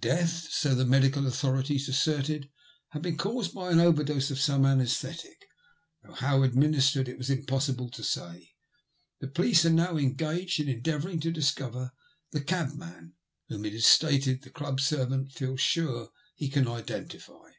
Death, so the medical authorities asserted, had been caused by an overdose of some anesthetic, though how administered it was impossible to say. The police are now engaged endeavoujring to discover the cabman, whom it is stated, the Club servant feels sure he can identify.